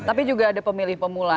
tapi juga ada pemilih pemula